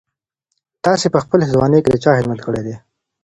تاسي په خپله ځواني کي د چا خدمت کړی دی؟